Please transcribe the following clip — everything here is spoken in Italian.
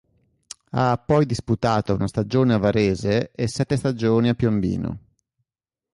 Ha poi disputato una stagione a Varese e sette stagioni a Piombino.